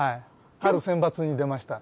春センバツに出ました。